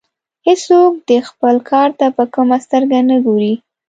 هیڅوک دې خپل کار ته په کمه سترګه نه ګوري.